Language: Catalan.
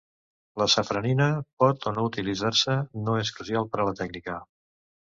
La safranina pot o no utilitzar-se, no és crucial per a la tècnica.